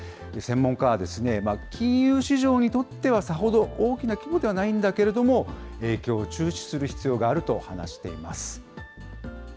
専門家は、金融市場にとってはさほど大きな規模ではないんだけれども、影響を注視する必要があると話しています。